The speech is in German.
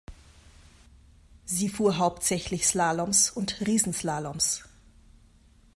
Sie fuhr hauptsächlich Slaloms und Riesenslaloms.